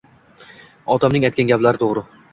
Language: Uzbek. Otamning aytgan gaplari to‘g‘ri.